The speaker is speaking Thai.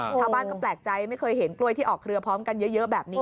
ชาวบ้านก็แปลกใจไม่เคยเห็นกล้วยที่ออกเครือพร้อมกันเยอะแบบนี้